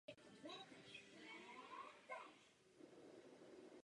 Singl se stává nejvýše nasazenou novinkou v historii německé singlové hitparády.